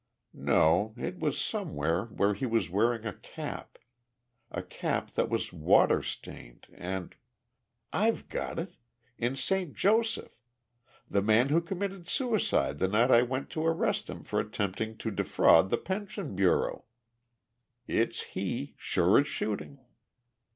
No, it was somewhere where he was wearing a cap a cap that was water stained and ... I've got it! In Saint Joseph! The man who committed suicide the night I went to arrest him for attempting to defraud the Pension Bureau! It's he, sure as shooting!"